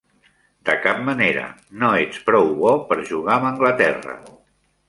De cap manera. No ets prou bo per jugar amb Anglaterra.